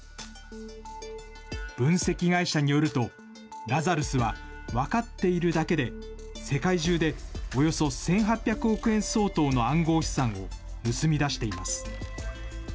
分析会社によると、ラザルスは分かっているだけで世界中でおよそ１８００億円相当の暗号資産を盗み出しています。